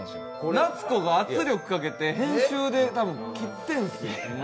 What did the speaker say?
夏子が圧力かけて、編集で切ってるんですよ。